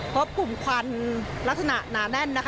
พบกลุ่มควันลักษณะหนาแน่น